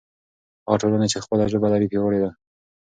هغه ټولنه چې خپله ژبه لري پیاوړې ده.